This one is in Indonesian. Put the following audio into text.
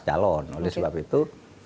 calon oleh sebab itu